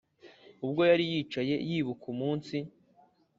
ubwo yari yicaye yibuka umunsi,